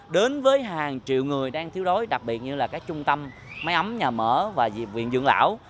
đến với hàng triệu người đang thiếu đối đặc biệt như là các trung tâm máy ấm nhà mở và viện dưỡng lão